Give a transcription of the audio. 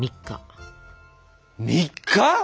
３日！？